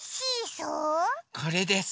これです。